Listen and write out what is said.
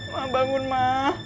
ma bangun ma